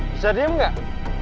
bisa diem gak